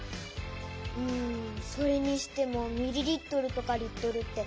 うんそれにしてもミリリットルとかリットルって。